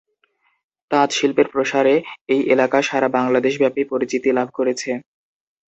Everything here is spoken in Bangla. তাঁত শিল্পের প্রসারে এই এলাকা সারা বাংলাদেশ ব্যাপী পরিচিতি লাভ করেছে।